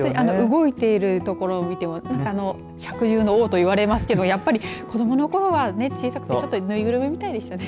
動いているところを見ても百獣の王と言われますけどやっぱり子どものころはね小さくて、ちょっとぬいぐるみみたいでしたね。